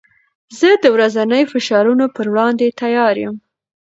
زه د ورځني فشارونو پر وړاندې تیار یم.